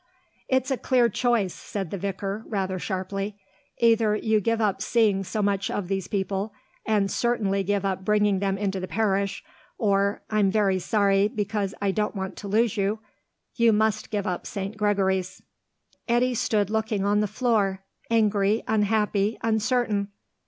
"It's a clear choice," said the vicar, rather sharply. "Either you give up seeing so much of these people, and certainly give up bringing them into the parish; or I'm very sorry, because I don't want to lose you you must give up St. Gregory's." Eddy stood looking on the floor, angry, unhappy, uncertain.